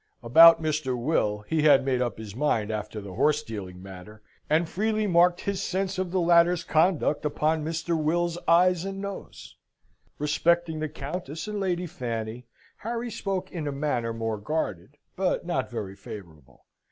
About Mr. Will he had made up his mind, after the horse dealing matter, and freely marked his sense of the latter's conduct upon Mr. Will's eyes and nose. Respecting the Countess and Lady Fanny, Harry spoke in a manner more guarded, but not very favourable.